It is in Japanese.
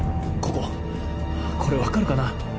これ分かるかな？